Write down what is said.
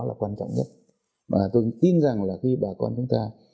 để vận dụng những công tác của mình